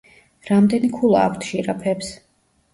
რამდენი ქულა აქვთ ჟირაფებს?